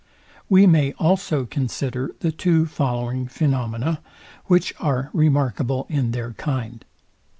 We may also consider the two following phaenomena, which are remarkable in their kind.